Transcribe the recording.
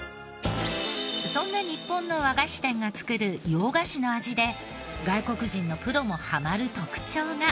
そんな日本の和菓子店が作る洋菓子の味で外国人のプロもハマる特徴が。